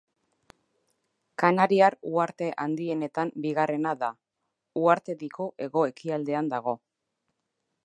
Kanariar uharte handienetan bigarrena da; uhartediko hego-ekialdean dago.